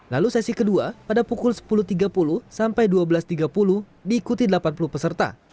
lalu sesi kedua pada pukul sepuluh tiga puluh sampai dua belas tiga puluh diikuti delapan puluh peserta